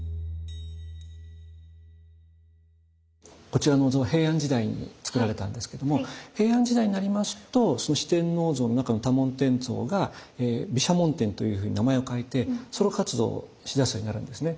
こちらのお像は平安時代に造られたんですけども平安時代になりますと四天王像の中の多聞天像が毘沙門天というふうに名前を変えてソロ活動をしだすようになるんですね。